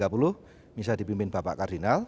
bisa dipimpin bapak kardinal